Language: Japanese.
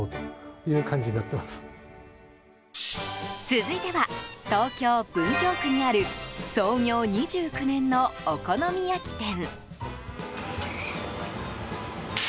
続いては、東京・文京区にある創業２９年のお好み焼き店。